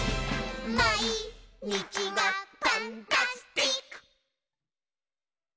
「まいにちがパンタスティック！」